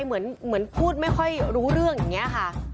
เหมือนพูดไม่ค่อยรู้เรื่องอย่างนี้ค่ะ